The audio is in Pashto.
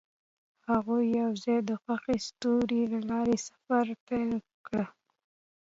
هغوی یوځای د خوښ ستوري له لارې سفر پیل کړ.